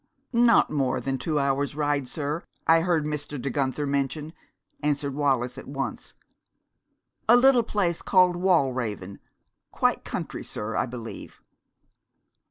"Not more than two hours' ride, sir, I heard Mr. De Guenther mention," answered Wallis at once. "A little place called Wallraven quite country, sir, I believe."